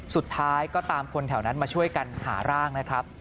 สุดท้ายก็ตามคนแถวนั้นมาช่วยกันหาร่างนะครับ